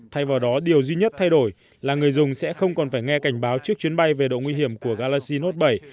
thay vào đó điều duy nhất thay đổi là người dùng sẽ không còn phải nghe cảnh báo trước chuyến bay về độ nguy hiểm của galaxy hot vẩy